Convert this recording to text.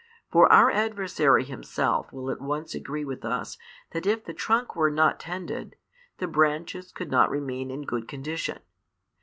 For our adversary himself will at once agree with us that if the trunk were not tended, the branches could not remain in good condition.